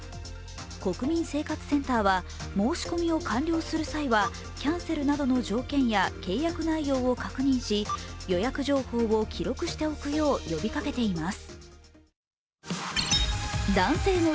国民生活センターは、申し込みを完了する際はキャンセルなどの条件や契約内容を確認し、予約情報を記録しておくよう呼びかけています。